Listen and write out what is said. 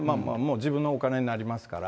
自分のお金になりますから。